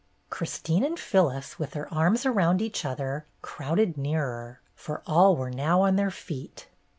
Christine and Phyllis, with their arms around each other, crowded nearer, for all were now on their feet.